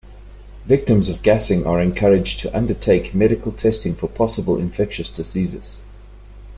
Victims of gassing are encouraged to undertake medical testing for possible infectious diseases.